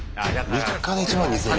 ３日で１万２０００人。